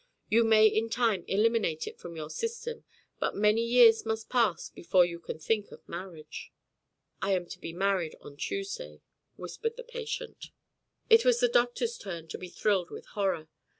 You may in time eliminate it from your system, but many years must pass before you can think of marriage." "I am to be married on Tuesday," whispered the patient. It was the doctor's turn to be thrilled with horror.